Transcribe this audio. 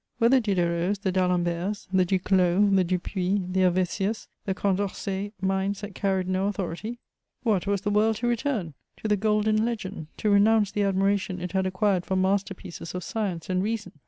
were the Diderots, the d'Alemberts, the Duclos, the Dupuis, the Helvétius, the Condorcets minds that carried no authority? What! was the world to return, to the Golden Legend, to renounce the admiration it had acquired for masterpieces of science and reason?